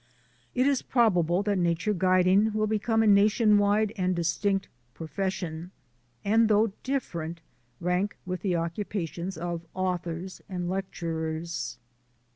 It is probable that nature guiding will become a nation wide and distinct profession, and, though different, rank with the occupations of authors and lecturers.